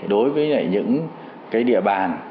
đối với những địa bàn